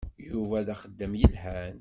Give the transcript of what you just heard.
Yuba d axeddam yelhan.